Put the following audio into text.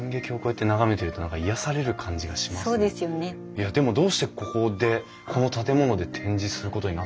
いやでもどうしてここでこの建物で展示することになったんですか？